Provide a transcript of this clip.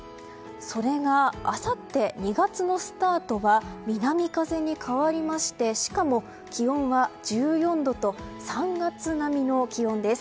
それがあさって２月のスタートは南風に変わりましてしかも気温は１４度と３月並みの気温です。